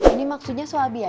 ini maksudnya suami ya